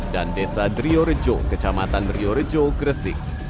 dan desa driorejo kecamatan driorejo gresik